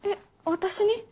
私に？